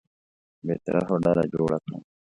بېطرفه ډله جوړه کړه.